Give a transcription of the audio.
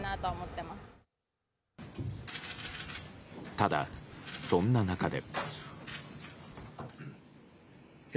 ただ、そんな中で。